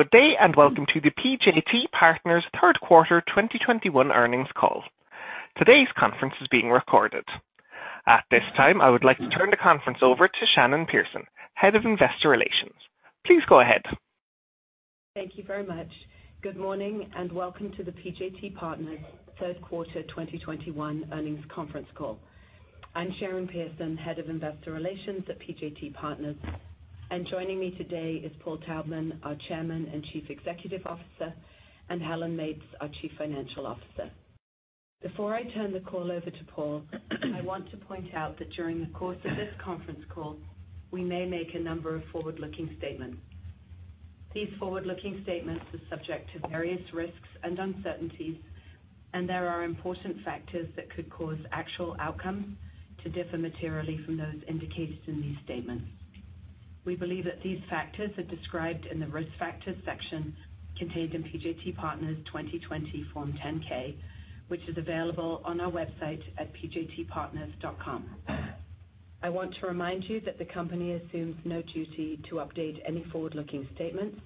Good day, and welcome to the PJT Partners third quarter 2021 earnings call. Today's conference is being recorded. At this time, I would like to turn the conference over to Sharon Pearson, Head of Investor Relations. Please go ahead. Thank you very much. Good morning, and welcome to the PJT Partners third quarter 2021 earnings conference call. I'm Sharon Pearson, Head of Investor Relations at PJT Partners. Joining me today is Paul Taubman, our Chairman and Chief Executive Officer, and Helen Meates, our Chief Financial Officer. Before I turn the call over to Paul, I want to point out that during the course of this conference call, we may make a number of forward-looking statements. These forward-looking statements are subject to various risks and uncertainties, and there are important factors that could cause actual outcomes to differ materially from those indicated in these statements. We believe that these factors are described in the Risk Factors section contained in PJT Partners' 2020 Form 10-K, which is available on our website at pjtpartners.com. I want to remind you that the company assumes no duty to update any forward-looking statements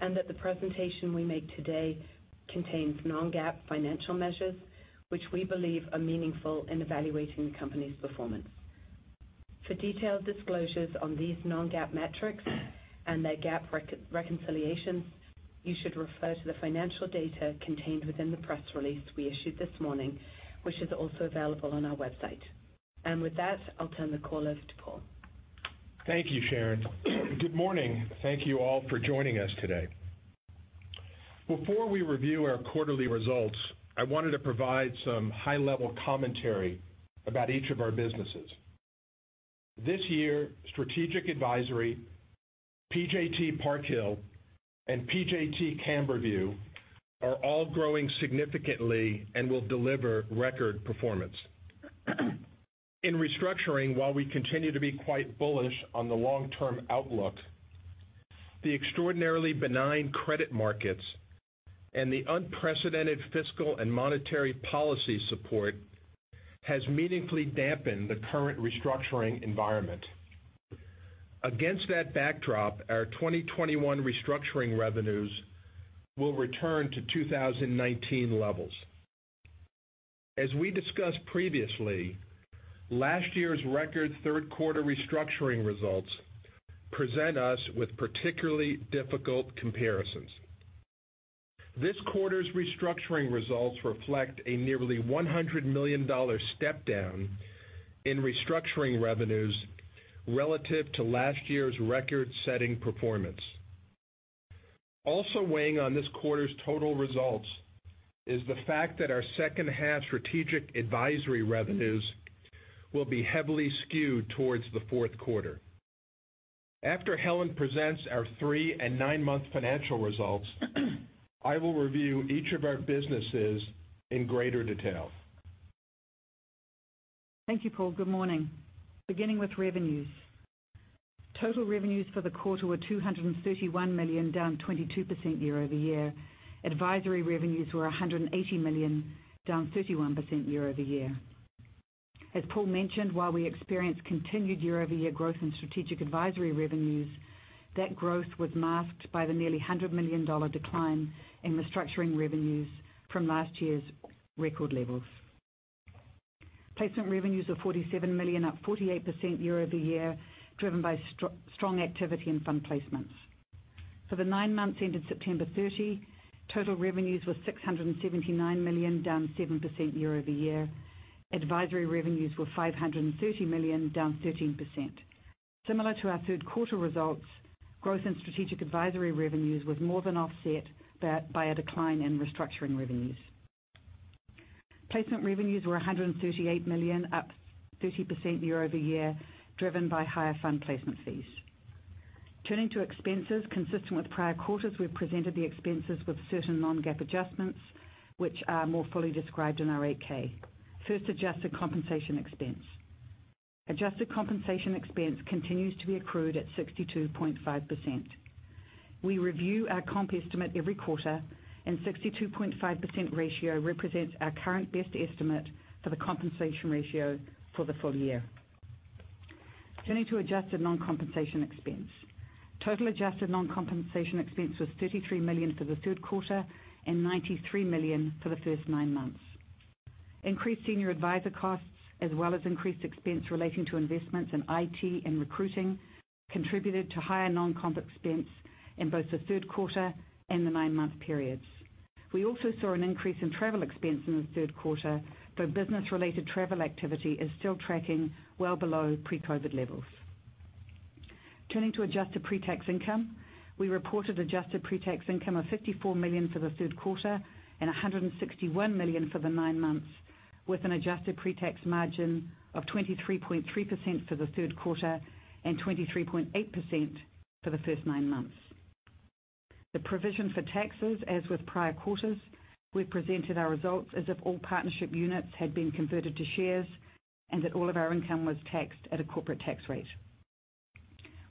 and that the presentation we make today contains Non-GAAP financial measures, which we believe are meaningful in evaluating the company's performance. For detailed disclosures on these Non-GAAP metrics and their GAAP reconciliations, you should refer to the financial data contained within the press release we issued this morning, which is also available on our website. With that, I'll turn the call over to Paul. Thank you, Sharon. Good morning. Thank you all for joining us today. Before we review our quarterly results, I wanted to provide some high-level commentary about each of our businesses. This year, Strategic Advisory, PJT Park Hill, and PJT Camberview are all growing significantly and will deliver record performance. In Restructuring, while we continue to be quite bullish on the long-term outlook, the extraordinarily benign credit markets and the unprecedented fiscal and monetary policy support has meaningfully dampened the current Restructuring environment. Against that backdrop, our 2021 Restructuring revenues will return to 2019 levels. As we discussed previously, last year's record third quarter Restructuring results present us with particularly difficult comparisons. This quarter's Restructuring results reflect a nearly $100 million step down in Restructuring revenues relative to last year's record-setting performance. Also weighing on this quarter's total results is the fact that our second half Strategic Advisory revenues will be heavily skewed towards the fourth quarter. After Helen presents our three- and nine-month financial results, I will review each of our businesses in greater detail. Thank you, Paul. Good morning. Beginning with revenues. Total revenues for the quarter were $231 million, down 22% year-over-year. Advisory revenues were $180 million, down 31% year-over-year. As Paul mentioned, while we experienced continued year-over-year growth in Strategic Advisory revenues, that growth was masked by the nearly $100 million decline in Restructuring revenues from last year's record levels. Placement revenues of $47 million, up 48% year-over-year, driven by strong activity in fund placements. For the nine months ended September 30, total revenues were $679 million, down 7% year-over-year. Advisory revenues were $530 million, down 13%. Similar to our third quarter results, growth in Strategic Advisory revenues was more than offset by a decline in Restructuring revenues. Placement revenues were $138 million, up 30% year-over-year, driven by higher fund placement fees. Turning to expenses. Consistent with prior quarters, we've presented the expenses with certain Non-GAAP adjustments, which are more fully described in our 8-K. First, adjusted compensation expense. Adjusted compensation expense continues to be accrued at 62.5%. We review our comp estimate every quarter, and 62.5% ratio represents our current best estimate for the compensation ratio for the full year. Turning to adjusted non-compensation expense. Total adjusted non-compensation expense was $33 million for the third quarter and $93 million for the first nine months. Increased senior advisor costs as well as increased expense relating to investments in IT and recruiting contributed to higher non-comp expense in both the third quarter and the nine-month periods. We also saw an increase in travel expense in the third quarter, though business-related travel activity is still tracking well below pre-COVID levels. Turning to adjusted pre-tax income. We reported adjusted pre-tax income of $54 million for the third quarter and $161 million for the nine months, with an adjusted pre-tax margin of 23.3% for the third quarter and 23.8% for the first nine months. The provision for taxes, as with prior quarters, we presented our results as if all partnership units had been converted to shares and that all of our income was taxed at a corporate tax rate.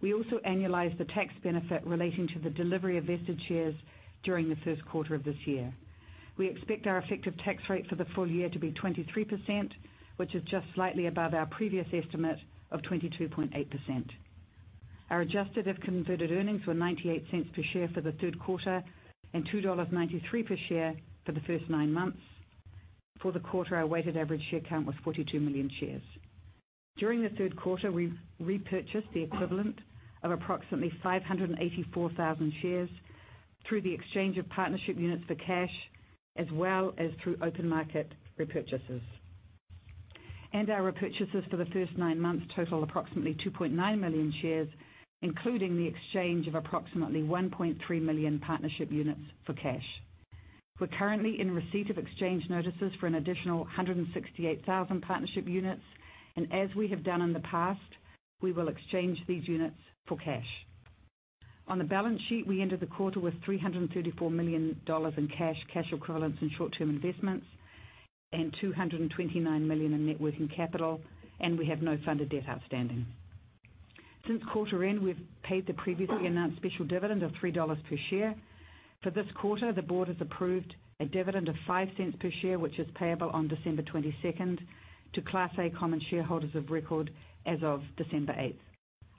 We also annualized the tax benefit relating to the delivery of vested shares during the first quarter of this year. We expect our effective tax rate for the full year to be 23%, which is just slightly above our previous estimate of 22.8%. Our adjusted if converted earnings were $0.98 per share for the third quarter, and $2.93 per share for the first nine months. For the quarter, our weighted average share count was 42 million shares. During the third quarter, we repurchased the equivalent of approximately 584,000 shares through the exchange of partnership units for cash, as well as through open market repurchases. Our repurchases for the first nine months total approximately 2.9 million shares, including the exchange of approximately 1.3 million partnership units for cash. We're currently in receipt of exchange notices for an additional 168,000 partnership units, and as we have done in the past, we will exchange these units for cash. On the balance sheet, we ended the quarter with $334 million in cash equivalents, and short-term investments, and $229 million in net working capital, and we have no funded debt outstanding. Since quarter end, we've paid the previously announced special dividend of $3 per share. For this quarter, the board has approved a dividend of $0.05 per share, which is payable on December 22, to Class A common shareholders of record as of December 8.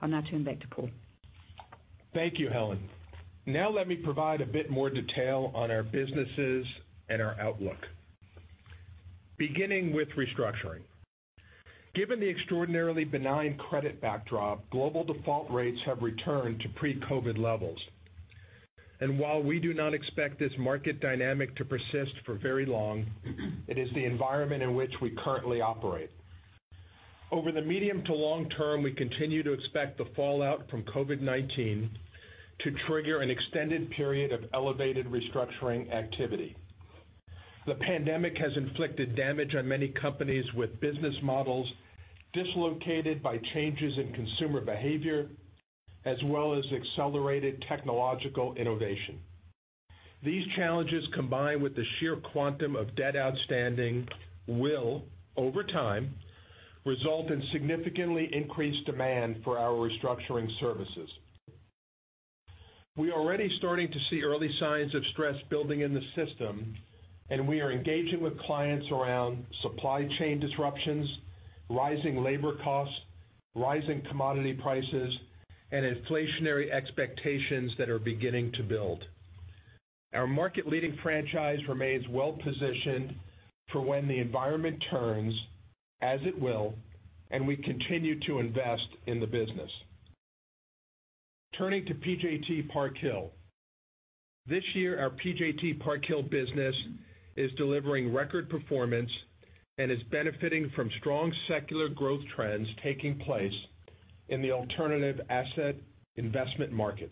I'll now turn back to Paul. Thank you, Helen. Now let me provide a bit more detail on our businesses and our outlook. Beginning with Restructuring. Given the extraordinarily benign credit backdrop, global default rates have returned to pre-COVID levels. While we do not expect this market dynamic to persist for very long, it is the environment in which we currently operate. Over the medium to long term, we continue to expect the fallout from COVID-19 to trigger an extended period of elevated restructuring activity. The pandemic has inflicted damage on many companies with business models dislocated by changes in consumer behavior, as well as accelerated technological innovation. These challenges, combined with the sheer quantum of debt outstanding, will, over time, result in significantly increased demand for our restructuring services. We're already starting to see early signs of stress building in the system, and we are engaging with clients around supply chain disruptions, rising labor costs, rising commodity prices, and inflationary expectations that are beginning to build. Our market-leading franchise remains well-positioned for when the environment turns as it will, and we continue to invest in the business. Turning to PJT Park Hill. This year, our PJT Park Hill business is delivering record performance and is benefiting from strong secular growth trends taking place in the alternative asset investment market.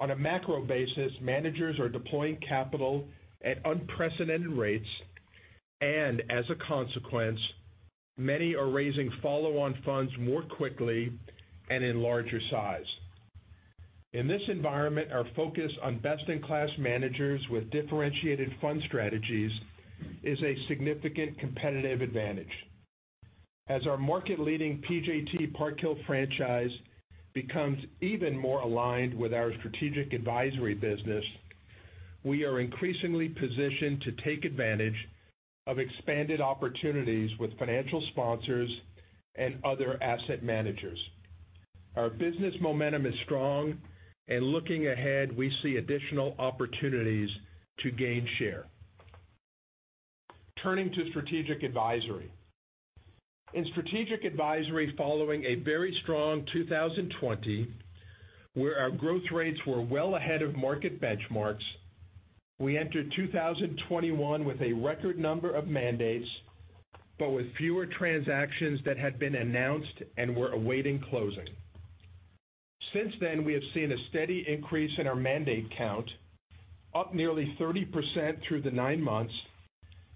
On a macro basis, managers are deploying capital at unprecedented rates, and as a consequence, many are raising follow-on funds more quickly and in larger size. In this environment, our focus on best-in-class managers with differentiated fund strategies is a significant competitive advantage. As our market-leading PJT Park Hill franchise becomes even more aligned with our Strategic Advisory business, we are increasingly positioned to take advantage of expanded opportunities with financial sponsors and other asset managers. Our business momentum is strong, and looking ahead, we see additional opportunities to gain share. Turning to Strategic Advisory. In Strategic Advisory, following a very strong 2020, where our growth rates were well ahead of market benchmarks, we entered 2021 with a record number of mandates, but with fewer transactions that had been announced and were awaiting closing. Since then, we have seen a steady increase in our mandate count, up nearly 30% through the nine months,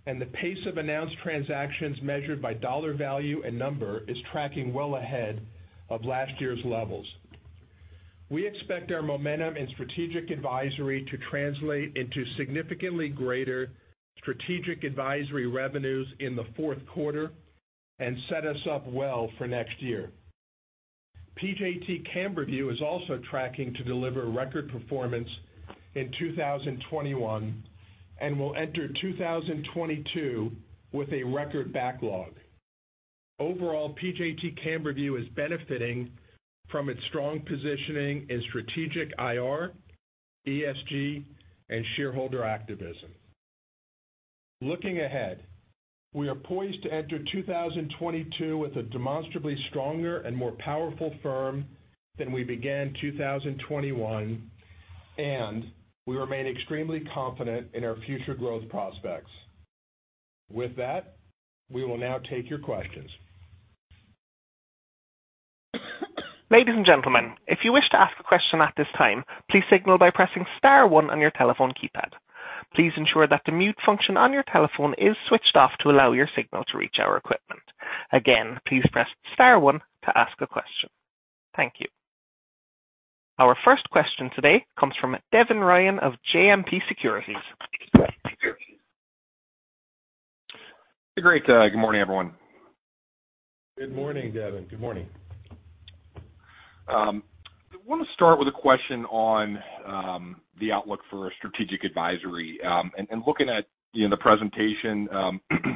and the pace of announced transactions measured by dollar value and number is tracking well ahead of last year's levels. We expect our momentum in Strategic Advisory to translate into significantly greater Strategic Advisory revenues in the fourth quarter and set us up well for next year. PJT Camberview is also tracking to deliver record performance in 2021 and will enter 2022 with a record backlog. Overall, PJT Camberview is benefiting from its strong positioning in strategic IR, ESG, and shareholder activism. Looking ahead, we are poised to enter 2022 with a demonstrably stronger and more powerful firm than we began 2021, and we remain extremely confident in our future growth prospects. With that, we will now take your questions. Our first question today comes from Devin Ryan of JMP Securities. Great. Good morning, everyone. Good morning, Devin. Good morning. Wanna start with a question on the outlook for Strategic Advisory. Looking at, you know, the presentation,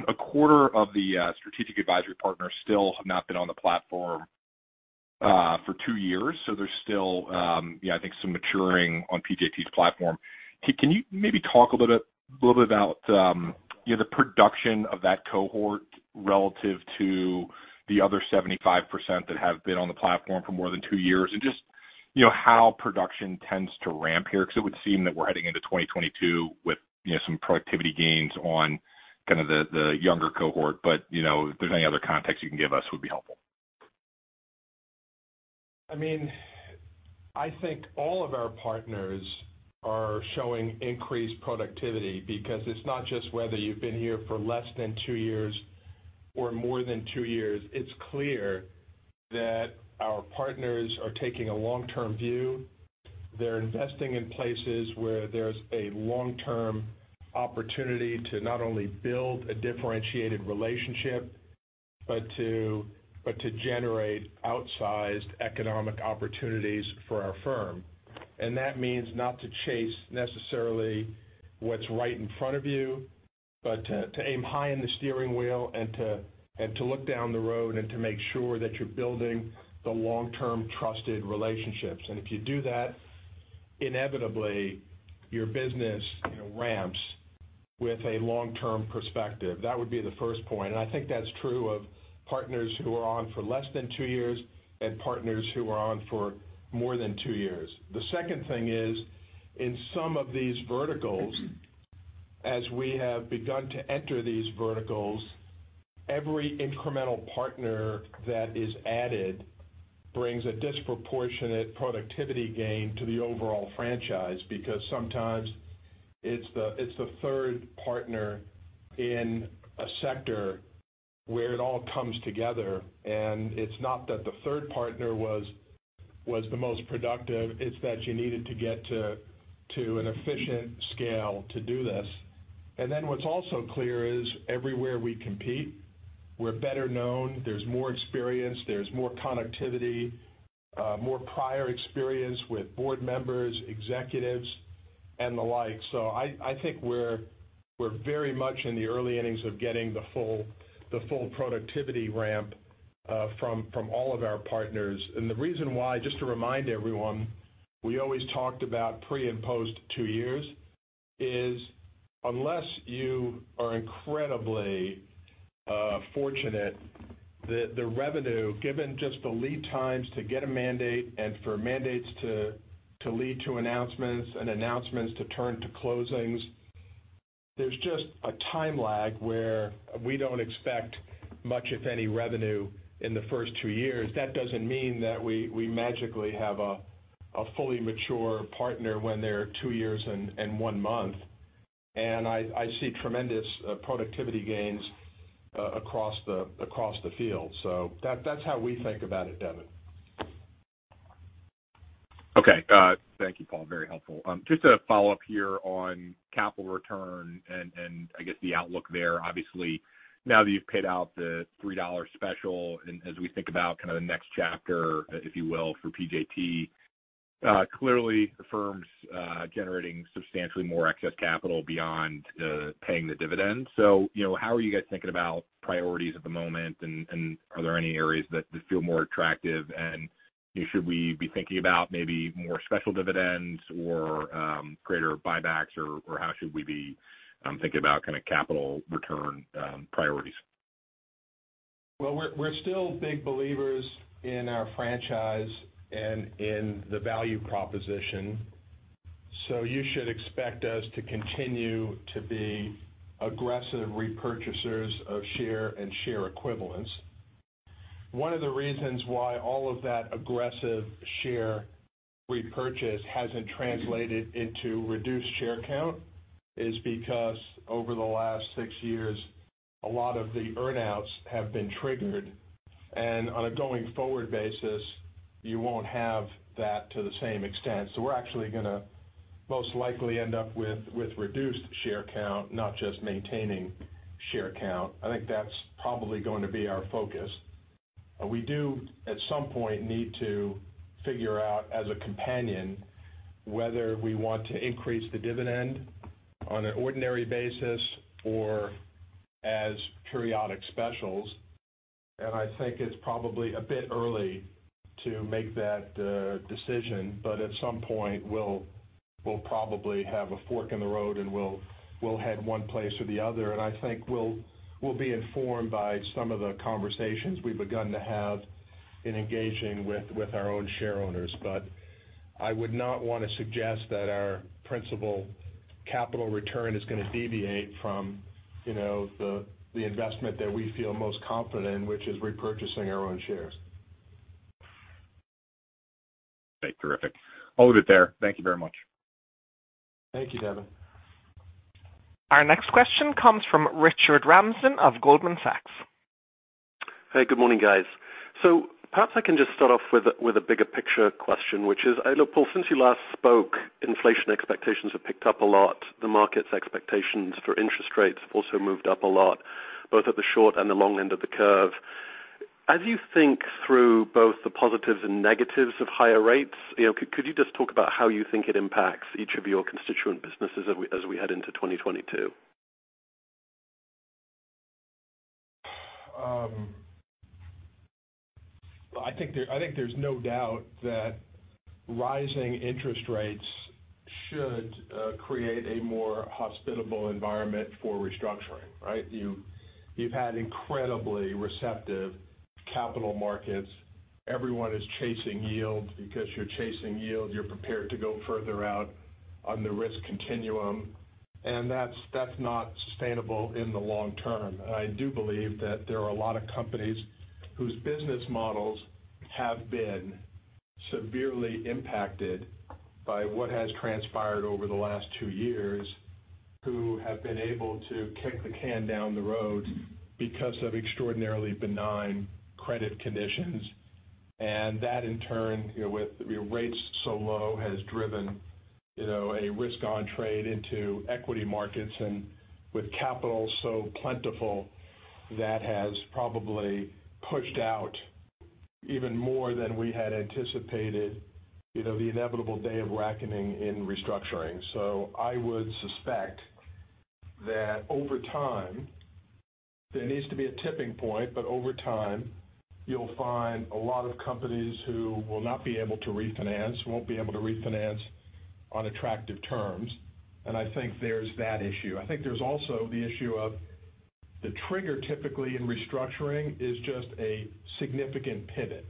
a quarter of the Strategic Advisory partners still have not been on the platform for two years, so there's still, you know, I think some maturing on PJT's platform. Can you maybe talk a little bit about, you know, the production of that cohort relative to the other 75% that have been on the platform for more than two years? J ust, you know, how production tends to ramp here, 'cause it would seem that we're heading into 2022 with, you know, some productivity gains on kinda the younger cohort, but, you know, if there's any other context you can give us would be helpful. I mean, I think all of our partners are showing increased productivity because it's not just whether you've been here for less than two years or more than two years. It's clear that our partners are taking a long-term view. They're investing in places where there's a long-term opportunity to not only build a differentiated relationship, but to generate outsized economic opportunities for our firm. That means not to chase necessarily what's right in front of you, but to aim high in the steering wheel and to look down the road and to make sure that you're building the long-term trusted relationships. If you do that, inevitably your business, you know, ramps with a long-term perspective. That would be the first point, and I think that's true of partners who are on for less than two years and partners who are on for more than two years. The second thing is, in some of these verticals, as we have begun to enter these verticals, every incremental partner that is added brings a disproportionate productivity gain to the overall franchise. Because sometimes it's the third partner in a sector where it all comes together, and it's not that the third partner was the most productive, it's that you needed to get to an efficient scale to do this. What's also clear is everywhere we compete, we're better known. There's more experience, there's more connectivity, more prior experience with board members, executives, and the like. I think we're very much in the early innings of getting the full productivity ramp from all of our partners. The reason why, just to remind everyone, we always talked about pre and post two years, is unless you are incredibly fortunate, the revenue given just the lead times to get a mandate and for mandates to lead to announcements and announcements to turn to closings, there's just a time lag where we don't expect much, if any, revenue in the first two years. That doesn't mean that we magically have a fully mature partner when they're two years and one month. I see tremendous productivity gains across the field. That's how we think about it, Devin. Okay. Thank you, Paul. Very helpful. Just to follow up here on capital return and I guess the outlook there. Obviously, now that you've paid out the $3 special and as we think about kinda the next chapter, if you will, for PJT, clearly the firm's generating substantially more excess capital beyond paying the dividends. So, you know, how are you guys thinking about priorities at the moment and are there any areas that feel more attractive? Should we be thinking about maybe more special dividends or greater buybacks or how should we be thinking about kinda capital return priorities? Well, we're still big believers in our franchise and in the value proposition, so you should expect us to continue to be aggressive repurchasers of share and share equivalents. One of the reasons why all of that aggressive share repurchase hasn't translated into reduced share count is because over the last six years, a lot of the earn outs have been triggered, and on a going forward basis, you won't have that to the same extent. We're actually gonna most likely end up with reduced share count, not just maintaining share count. I think that's probably going to be our focus. We do, at some point, need to figure out as a company whether we want to increase the dividend on an ordinary basis or as periodic specials. I think it's probably a bit early to make that decision, but at some point, we'll probably have a fork in the road, and we'll head one place or the other. I think we'll be informed by some of the conversations we've begun to have in engaging with our own shareowners. I would not wanna suggest that our principal capital return is gonna deviate from, you know, the investment that we feel most confident, which is repurchasing our own shares. Okay. Terrific. I'll leave it there. Thank you very much. Thank you, Devin. Our next question comes from Richard Ramsden of Goldman Sachs. Hey, good morning, guys. Perhaps I can just start off with a bigger picture question, which is look, Paul, since you last spoke, inflation expectations have picked up a lot. The market's expectations for interest rates have also moved up a lot, both at the short and the long end of the curve. As you think through both the positives and negatives of higher rates, you know, could you just talk about how you think it impacts each of your constituent businesses as we head into 2022? I think there's no doubt that rising interest rates should create a more hospitable environment for Restructuring, right? You've had incredibly receptive capital markets. Everyone is chasing yield. Because you're chasing yield, you're prepared to go further out on the risk continuum, and that's not sustainable in the long term. I do believe that there are a lot of companies whose business models have been severely impacted by what has transpired over the last two years, who have been able to kick the can down the road because of extraordinarily benign credit conditions. That in turn, you know, with rates so low, has driven, you know, a risk on trade into equity markets. With capital so plentiful, that has probably pushed out even more than we had anticipated, you know, the inevitable day of reckoning in Restructuring. I would suspect that over time, there needs to be a tipping point, but over time, you'll find a lot of companies who will not be able to refinance, won't be able to refinance on attractive terms. I think there's that issue. I think there's also the issue of the trigger typically in restructuring is just a significant pivot.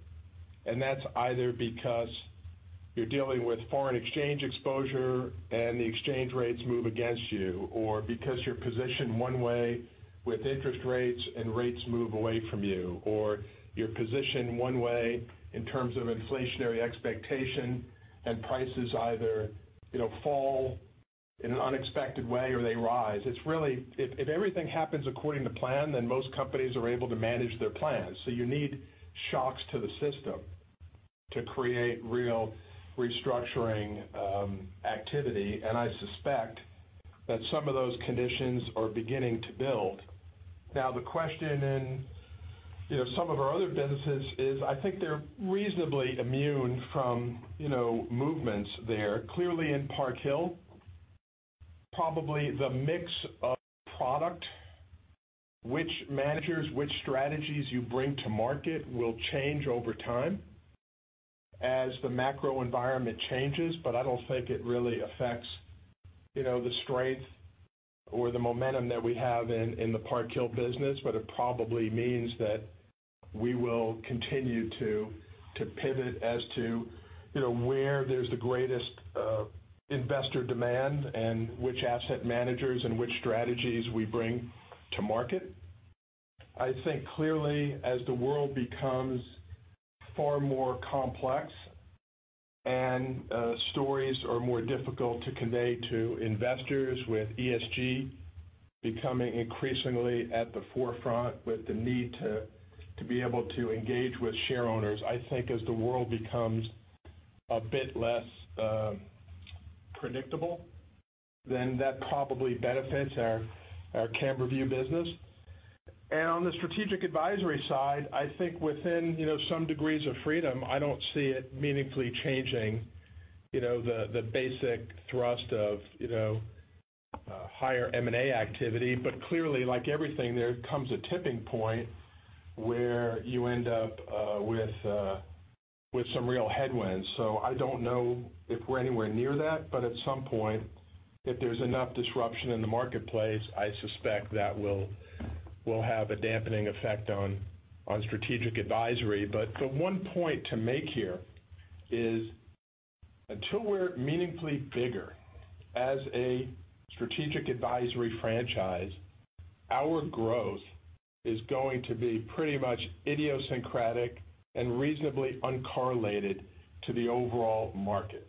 That's either because you're dealing with foreign exchange exposure and the exchange rates move against you, or because you're positioned one way with interest rates and rates move away from you, or you're positioned one way in terms of inflationary expectation and prices either, you know, fall in an unexpected way or they rise. If everything happens according to plan, then most companies are able to manage their plans. You need shocks to the system to create real restructuring activity. I suspect that some of those conditions are beginning to build. Now, the question in, you know, some of our other businesses is, I think they're reasonably immune from, you know, movements there. Clearly in Park Hill, probably the mix of product, which managers, which strategies you bring to market will change over time as the macro environment changes. I don't think it really affects, you know, the strength or the momentum that we have in the Park Hill business. It probably means that we will continue to pivot as to, you know, where there's the greatest investor demand and which asset managers and which strategies we bring to market. I think clearly as the world becomes far more complex and stories are more difficult to convey to investors with ESG becoming increasingly at the forefront with the need to be able to engage with share owners. I think as the world becomes a bit less predictable, then that probably benefits our Camberview business. On the Strategic Advisory side, I think within you know some degrees of freedom, I don't see it meaningfully changing you know the basic thrust of you know higher M&A activity. Clearly like everything, there comes a tipping point where you end up with some real headwinds. I don't know if we're anywhere near that. At some point, if there's enough disruption in the marketplace, I suspect that will have a dampening effect on Strategic Advisory. The one point to make here is until we're meaningfully bigger as a Strategic Advisory franchise, our growth is going to be pretty much idiosyncratic and reasonably uncorrelated to the overall market.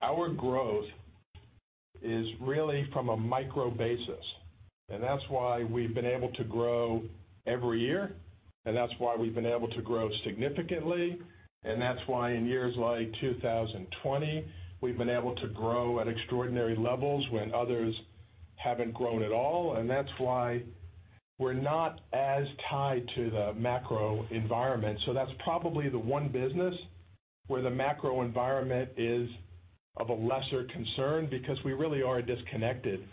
Our growth is really from a micro basis, and that's why we've been able to grow every year, and that's why we've been able to grow significantly. That's why in years like 2020, we've been able to grow at extraordinary levels when others haven't grown at all. That's why we're not as tied to the macro environment. That's probably the one business where the macro environment is of a lesser concern because we really are disconnected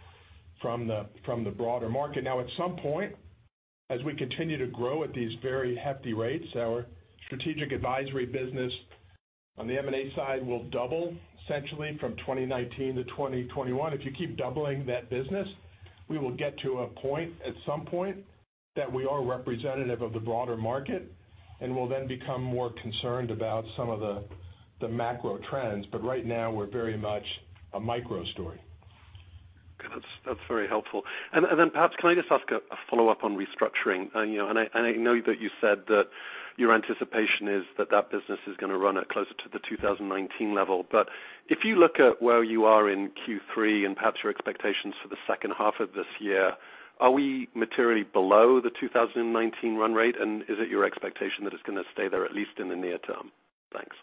from the broader market. Now, at some point, as we continue to grow at these very hefty rates, our Strategic Advisory business on the M&A side will double essentially from 2019 to 2021. If you keep doubling that business, we will get to a point at some point that we are representative of the broader market, and we'll then become more concerned about some of the macro trends. But right now, we're very much a micro story. Okay. That's very helpful. Perhaps can I just ask a follow-up on restructuring? You know, and I know that your anticipation is that that business is gonna run at closer to the 2019 level. If you look at where you are in Q3 and perhaps your expectations for the second half of this year, are we materially below the 2019 run rate? Is it your expectation that it's gonna stay there, at least in the near term? Thanks.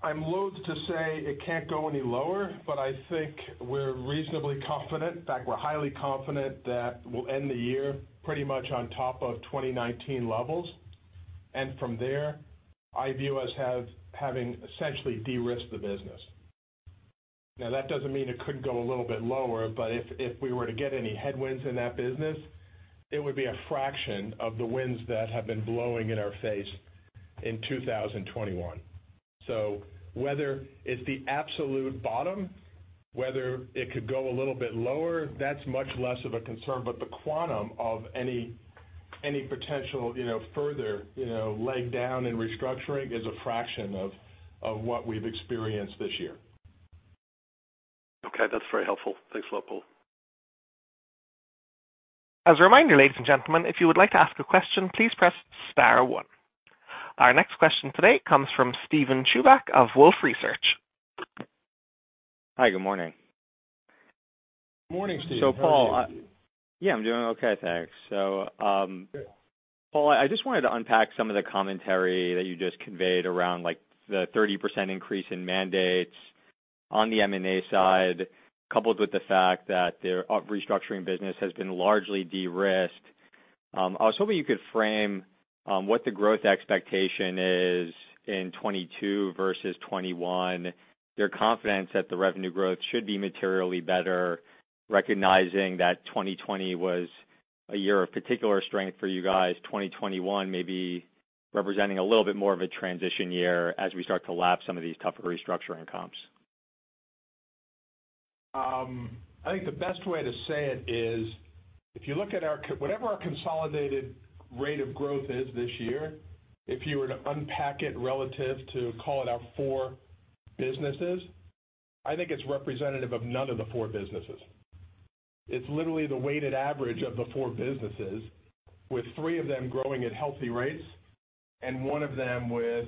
I'm loathe to say it can't go any lower, but I think we're reasonably confident. In fact, we're highly confident that we'll end the year pretty much on top of 2019 levels. From there, I view us having essentially de-risked the business. Now, that doesn't mean it couldn't go a little bit lower, but if we were to get any headwinds in that business, it would be a fraction of the winds that have been blowing in our face in 2021. Whether it's the absolute bottom, whether it could go a little bit lower, that's much less of a concern. The quantum of any potential, you know, further, you know, leg down in Restructuring is a fraction of what we've experienced this year. Okay, that's very helpful. Thanks a lot, Paul. As a reminder, ladies and gentlemen, if you would like to ask a question, please press star one. Our next question today comes from Steven Chubak of Wolfe Research. Hi, good morning. Good morning, Steven. How are you? Paul, yeah, I'm doing okay, thanks. Good. Paul, I just wanted to unpack some of the commentary that you just conveyed around, like, the 30% increase in mandates on the M&A side, coupled with the fact that their restructuring business has been largely de-risked. I was hoping you could frame what the growth expectation is in 2022 versus 2021. Your confidence that the revenue growth should be materially better, recognizing that 2020 was a year of particular strength for you guys. 2021 may be representing a little bit more of a transition year as we start to lap some of these tougher restructuring comps. I think the best way to say it is if you look at whatever our consolidated rate of growth is this year, if you were to unpack it relative to, call it, our four businesses, I think it's representative of none of the four businesses. It's literally the weighted average of the four businesses, with three of them growing at healthy rates and one of them with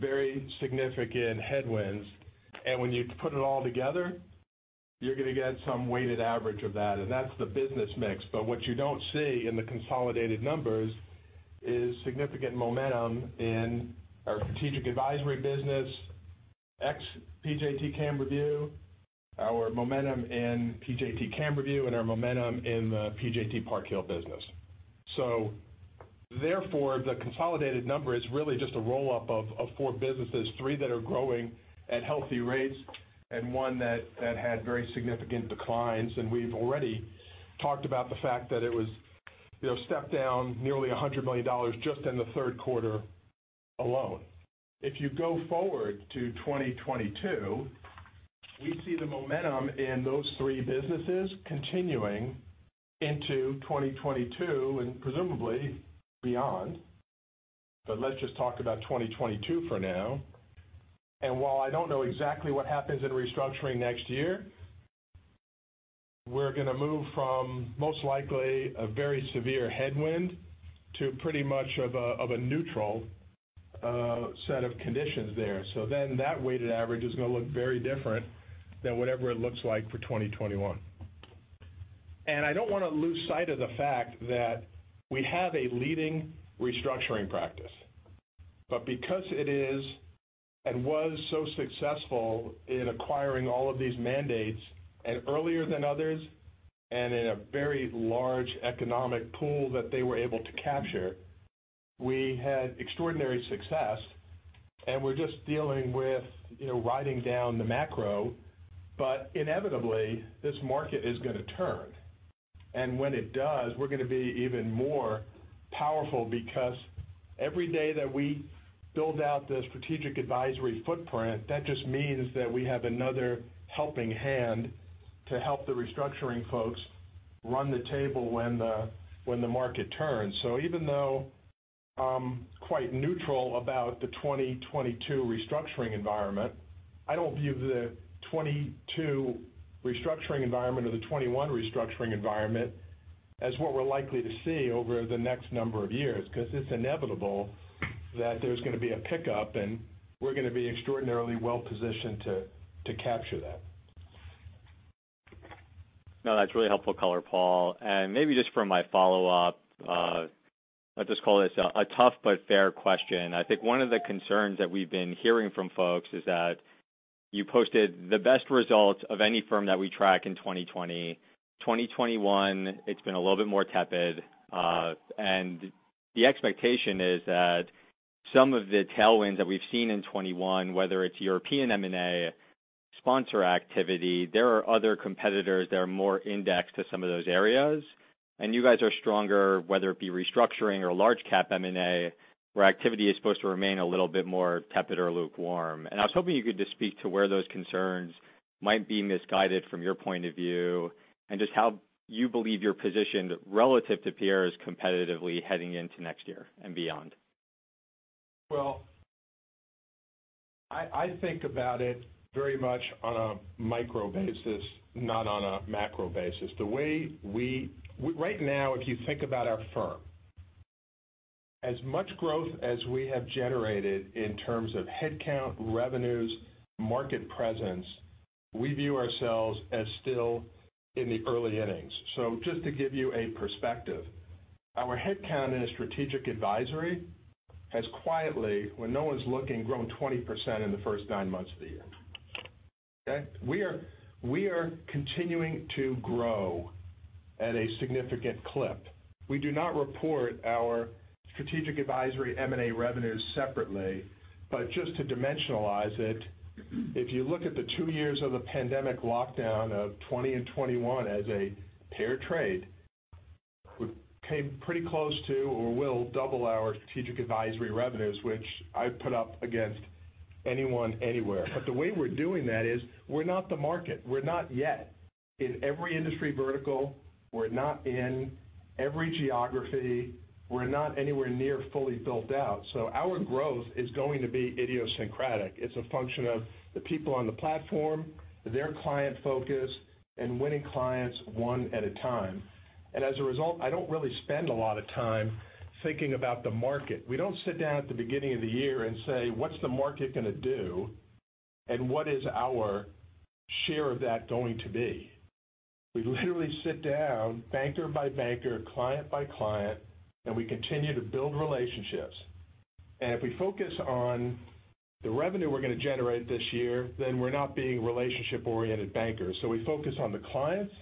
very significant headwinds. When you put it all together, you're gonna get some weighted average of that, and that's the business mix. What you don't see in the consolidated numbers is significant momentum in our Strategic Advisory business, ex PJT Camberview, our momentum in PJT Camberview, and our momentum in the PJT Park Hill business. The consolidated number is really just a roll-up of four businesses, three that are growing at healthy rates and one that had very significant declines. We've already talked about the fact that it was, you know, stepped down nearly $100 million just in the third quarter alone. If you go forward to 2022, we see the momentum in those three businesses continuing into 2022 and presumably beyond. Let's just talk about 2022 for now. While I don't know exactly what happens in Restructuring next year, we're gonna move from, most likely, a very severe headwind to pretty much of a neutral set of conditions there. That weighted average is gonna look very different than whatever it looks like for 2021. I don't wanna lose sight of the fact that we have a leading Restructuring practice. Because it is and was so successful in acquiring all of these mandates and earlier than others, and in a very large economic pool that they were able to capture, we had extraordinary success, and we're just dealing with, you know, riding down the macro. Inevitably, this market is gonna turn. When it does, we're gonna be even more powerful because every day that we build out the Strategic Advisory footprint, that just means that we have another helping hand to help the Restructuring folks run the table when the market turns. Even though I'm quite neutral about the 2022 restructuring environment, I don't view the 2022 restructuring environment or the 2021 restructuring environment as what we're likely to see over the next number of years, 'cause it's inevitable that there's gonna be a pickup, and we're gonna be extraordinarily well positioned to capture that. No, that's really helpful color, Paul. Maybe just for my follow-up, I'll just call this a tough but fair question. I think one of the concerns that we've been hearing from folks is that you posted the best results of any firm that we track in 2020. 2021, it's been a little bit more tepid. The expectation is that some of the tailwinds that we've seen in 2021, whether it's European M&A sponsor activity, there are other competitors that are more indexed to some of those areas. You guys are stronger, whether it be restructuring or large cap M&A, where activity is supposed to remain a little bit more tepid or lukewarm. I was hoping you could just speak to where those concerns might be misguided from your point of view and just how you believe you're positioned relative to peers competitively heading into next year and beyond. I think about it very much on a micro basis, not on a macro basis. Right now, if you think about our firm, as much growth as we have generated in terms of head count, revenues, market presence, we view ourselves as still in the early innings. Just to give you a perspective, our head count in Strategic Advisory has quietly, when no one's looking, grown 20% in the first nine months of the year. Okay? We are continuing to grow at a significant clip. We do not report our Strategic Advisory M&A revenues separately, but just to dimensionalize it, if you look at the two years of the pandemic lockdown of 2020 and 2021 as a pair trade, we came pretty close to or will double our Strategic Advisory revenues, which I put up against anyone, anywhere. The way we're doing that is we're not the market. We're not yet in every industry vertical. We're not in every geography. We're not anywhere near fully built out. Our growth is going to be idiosyncratic. It's a function of the people on the platform, their client focus, and winning clients one at a time. As a result, I don't really spend a lot of time thinking about the market. We don't sit down at the beginning of the year and say, "What's the market gonna do, and what is our share of that going to be?" We literally sit down banker by banker, client by client, and we continue to build relationships. If we focus on the revenue we're gonna generate this year, then we're not being relationship-oriented bankers. We focus on the clients,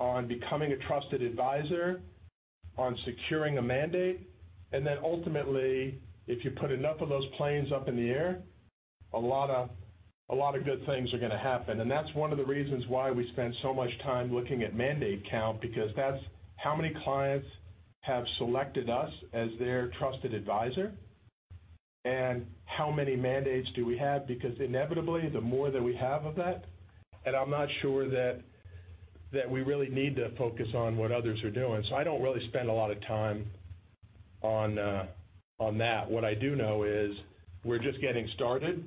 on becoming a trusted advisor, on securing a mandate. Ultimately, if you put enough of those planes up in the air, a lot of good things are gonna happen. That's one of the reasons why we spend so much time looking at mandate count, because that's how many clients have selected us as their trusted advisor, and how many mandates do we have. Because inevitably, the more that we have of that, and I'm not sure that we really need to focus on what others are doing. I don't really spend a lot of time on that. What I do know is we're just getting started.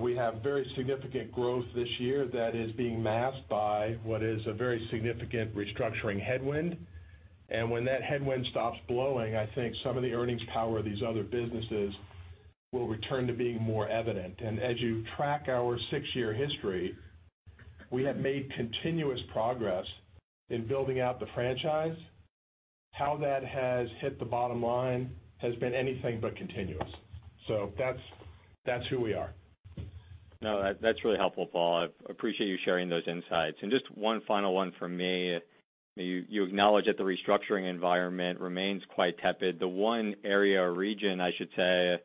We have very significant growth this year that is being masked by what is a very significant Restructuring headwind. When that headwind stops blowing, I think some of the earnings power of these other businesses will return to being more evident. as you track our six-year history, we have made continuous progress in building out the franchise. How that has hit the bottom line has been anything but continuous. that's who we are. No, that's really helpful, Paul. I appreciate you sharing those insights. Just one final one from me. You acknowledge that the restructuring environment remains quite tepid. The one area or region, I should say,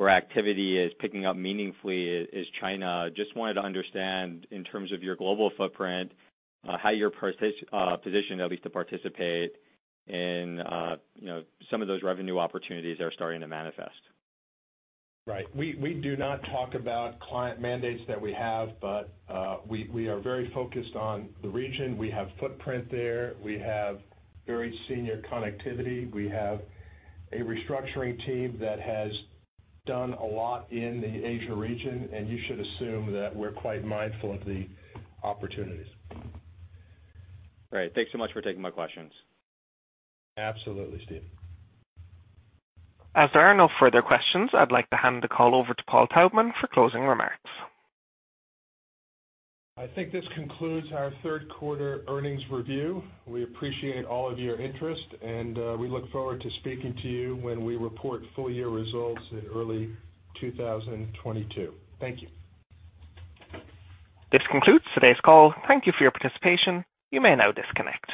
where activity is picking up meaningfully is China. Just wanted to understand, in terms of your global footprint, how you're positioned at least to participate in, you know, some of those revenue opportunities that are starting to manifest. Right. We do not talk about client mandates that we have, but we are very focused on the region. We have footprint there. We have very senior connectivity. We have a Restructuring team that has done a lot in the Asia region, and you should assume that we're quite mindful of the opportunities. Great. Thanks so much for taking my questions. Absolutely, Steve. As there are no further questions, I'd like to hand the call over to Paul Taubman for closing remarks. I think this concludes our third quarter earnings review. We appreciate all of your interest, and we look forward to speaking to you when we report full year results in early 2022. Thank you. This concludes today's call. Thank you for your participation. You may now disconnect.